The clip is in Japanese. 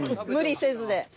無理せずで。